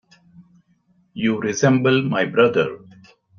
You resemble my brother.